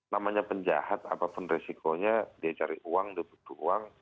namanya penjahat apapun resikonya dia cari uang dia butuh uang